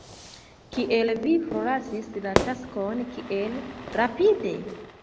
Kial vi forlasis la taskon tiel rapide?